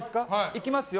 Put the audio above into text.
行きますよ。